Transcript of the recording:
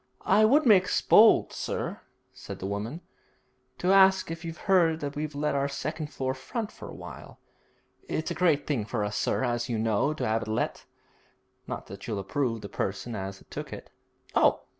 'I would make bold, sir,' said the woman, 'to ask if you've heard that we've let our second floor front for a while. It's a great thing for us, sir, as you know, to 'ave it let, not that you'll approve the person as 'as took it.' 'Oh!'